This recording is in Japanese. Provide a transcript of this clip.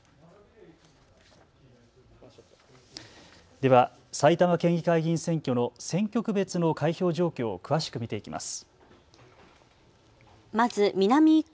では埼玉県議会議員選挙の選挙区別の開票状況を詳しく見ていきます。